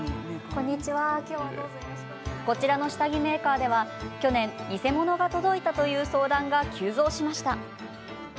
こちらの下着メーカーでは去年、偽物が届いたという相談が急増しました。